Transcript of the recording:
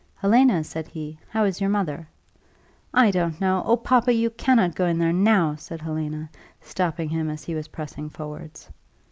"Helena," said he, "how is your mother?" "I don't know. Oh, papa, you cannot go in there now," said Helena, stopping him as he was pressing forwards.